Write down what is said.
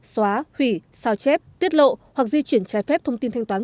xóa hủy sao chép tiết lộ hoặc di chuyển trái phép thông tin thanh toán